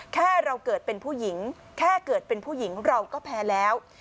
แค่เราเกิดเป็นผู้หญิงแค่เกิดเป็นผู้หญิงเราก็แพ้แล้ว